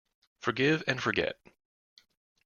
Forgive and forget.